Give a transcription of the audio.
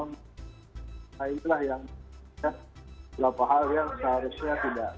nah inilah yang beberapa hal yang seharusnya tidak